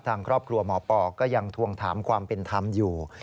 ทางครอบครัวหมอปอก็ยังทวงถามความเป็นธรรมอยู่